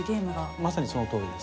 まさにそのとおりです。